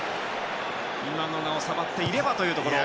今のが収まっていればというところ。